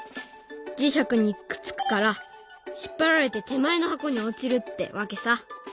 磁石にくっつくから引っ張られて手前の箱に落ちるってわけさ。